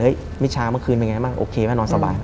เฮ้ยมิชชาเมื่อคืนมันยังไงบ้างโอเคไหมนอนสบาย